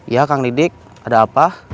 ya kang didik ada apa